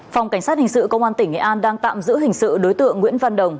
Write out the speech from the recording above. phòng cảnh sát hình sự công an tỉnh nghệ an đang tạm giữ hình sự đối tượng nguyễn văn đồng